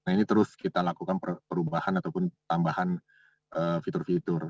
nah ini terus kita lakukan perubahan ataupun tambahan fitur fitur